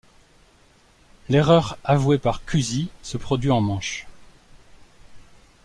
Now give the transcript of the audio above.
L'erreur avouée par Cuzzi se produit en manche.